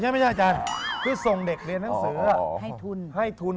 คือส่งเด็กเลี้ยนหนังสือให้ทุน